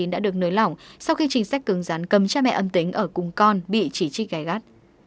đã được nới lỏng sau khi chính sách cứng rắn cầm cha mẹ âm tính ở cùng con bị chỉ trích gai gắt